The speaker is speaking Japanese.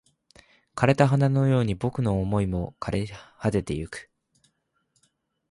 枯れた花のように僕の想いも枯れ果ててゆく